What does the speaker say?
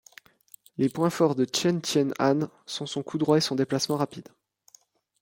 Les points forts de Chen Chien-an sont son coup droit et son déplacement rapide.